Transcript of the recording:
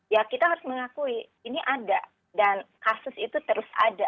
ya kita harus mengakui ini ada dan kasus itu terus ada